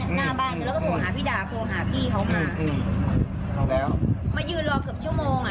หน้าบ้านแล้วก็โทรหาพี่ดาโทรหาพี่เขามาอืมเอาแล้วมายืนรอเกือบชั่วโมงอ่ะ